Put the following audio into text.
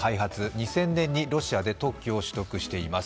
２０００年にロシアで特許を取得しています。